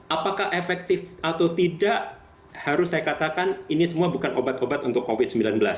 apakah efektif atau tidak harus saya katakan ini semua bukan obat obat untuk covid sembilan belas